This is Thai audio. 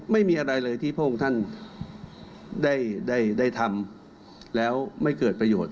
ไม่มีอะไรเลยที่พระองค์ท่านได้ทำแล้วไม่เกิดประโยชน์